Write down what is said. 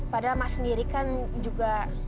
padahal mas sendiri kan juga